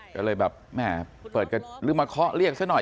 ก็เลยแบบไม่อ่ะลืมมาเคาะเรียกซักหน่อย